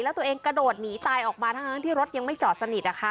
แล้วตัวเองกระโดดหนีตายออกมาทั้งที่รถยังไม่จอดสนิท